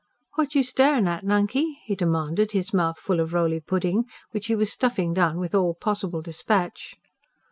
"What you staring at, Nunkey?" he demanded, his mouth full of roly pudding, which he was stuffing down with all possible dispatch.